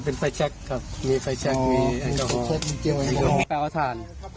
เป็นจากมีไฟแช็กมีแอลกอฮอล์ทอ๋อมีจาก